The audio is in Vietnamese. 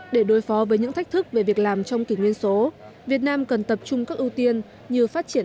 để đối phó với những thách thức về việc làm trong kỷ nguyên số việt nam cần tập trung các ưu tiên như phát triển